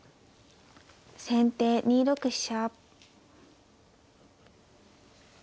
先手２六飛車。